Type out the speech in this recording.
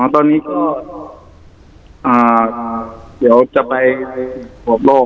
ตอนนี้ก็เดี๋ยวจะไปหวบโลก